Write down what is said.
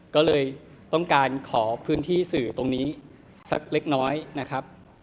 ก็เลยต้องการขอพื้นที่สื่อตรงนี้สักเล็กน้อยนะครับ